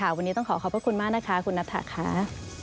วันนี้ต้องขอขอบพระคุณมากคุณนัทถ่า